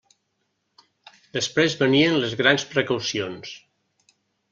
Després venien les grans precaucions.